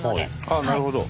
ああなるほど。